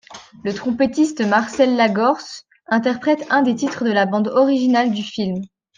Le trompettiste Marcel Lagorce interprète un des titres de la bande originale du film.